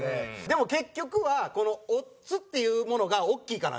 でも結局はこのオッズっていうものがおっきいからね。